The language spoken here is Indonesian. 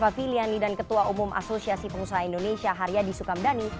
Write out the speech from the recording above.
indra favilliani dan ketua umum asosiasi pengusaha indonesia haria di sukamdani